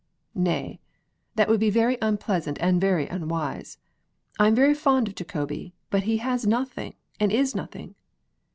"Nay, that would be very unpleasant and very unwise: I am very fond of Jacobi, but he has nothing and is nothing."